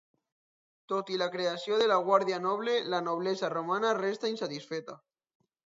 Tot i la creació de la Guàrdia Noble, la noblesa romana restà insatisfeta.